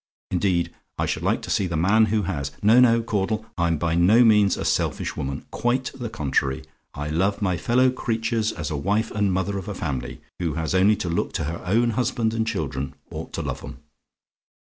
Indeed, I should like to see the man who has! No, no, Caudle; I'm by no means a selfish woman quite the contrary; I love my fellow creatures as a wife and mother of a family, who has only to look to her own husband and children, ought to love 'em.